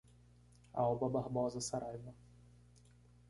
Alba Barbosa Saraiva